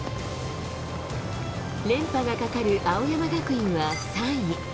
連覇がかかる青山学院は３位。